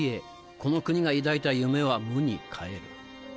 この国が抱いた夢は無に返る。